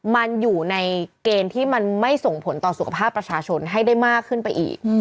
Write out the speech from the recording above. มันอยู่ในเกณฑ์ที่มันไม่ส่งผลต่อสุขภาพประชาชนให้ได้มากขึ้นไปอีก